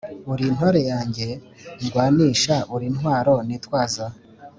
Uri intorezo yanjye ndwanisha uri n’intwaro nitwaza